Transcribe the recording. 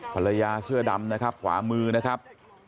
ภรรยาเสื้อดำนะครับขวามือนะครับ